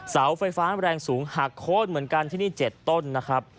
เสาไฟฟ้าแรงสูงหักโค้นเหมือนกันที่นี่๗ต้นนะครับ